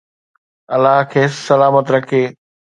الله کيس سلامت رکي.